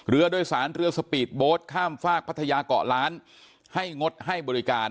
เรือโดยสารเรือสปีดโบสต์ข้ามฝากพัทยาเกาะล้านให้งดให้บริการ